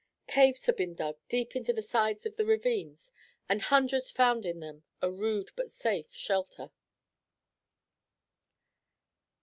Caves had been dug deep into the sides of the ravines and hundreds found in them a rude but safe shelter.